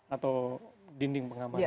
atau dinding pengaman ya